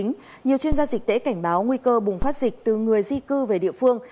nhiều chuyên gia dịch tễ cảnh báo nguy cơ bùng phát dịch từ người di cư về địa phương